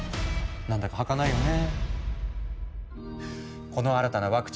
なんだかはかないよね。